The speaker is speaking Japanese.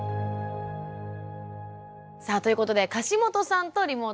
さあということで樫本さんとリモートでつながっています。